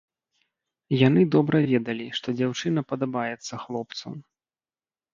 Яны добра ведалі, што дзяўчына падабаецца хлопцу.